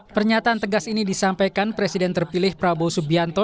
pernyataan tegas ini disampaikan presiden terpilih prabowo subianto